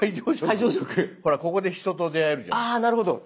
ほらここで人と出会えるじゃないですか。